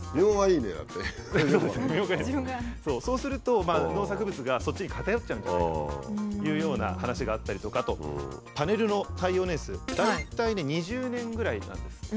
そうすると農作物がそっちに偏っちゃうんじゃないかというような話があったりとかあとパネルの耐用年数大体ね２０年ぐらいなんですって。